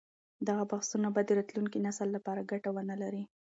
دغه بحثونه به د راتلونکي نسل لپاره ګټه ونه لري.